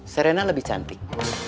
serena lebih cantik